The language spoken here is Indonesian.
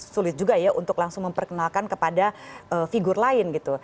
sulit juga ya untuk langsung memperkenalkan kepada figur lain gitu